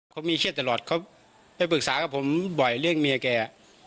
เขามีเครียดตลอดเขาไปปรึกษากับผมบ่อยเรื่องเมียแก